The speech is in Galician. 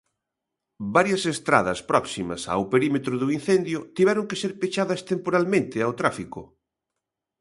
Varias estradas próximas ao perímetro do incendio tiveron que ser pechadas temporalmente ao tráfico.